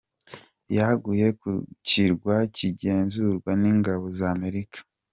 Yaguye ku kirwa kigenzurwa n’ingabo za Amerika.